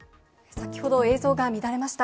先ほど、映像が乱れました。